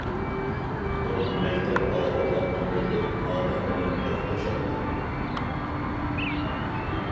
بۇرۇن مەكتەپ ئالدى ئاپتوموبىل، ئادەم بىلەن لىق توشاتتى.